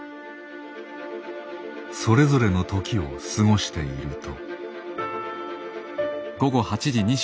それぞれの時を過ごしていると。